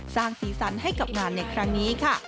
สร้างสีสันให้กับงานในครั้งนี้ค่ะ